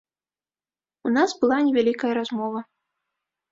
У нас была невялікая размова.